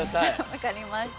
わかりました。